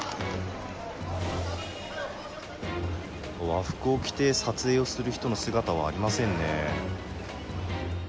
和服を着て撮影をする人の姿はありませんね。